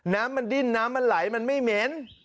น้ำมันดิ้นน้ำมันไหลมันไม่เหม็น